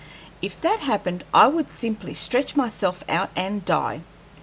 If that happened, I would simply stretch myself out and die.